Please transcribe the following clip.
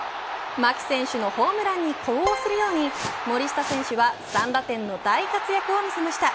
牧選手のホームランに呼応するように森下選手は３打点の大活躍を見せました。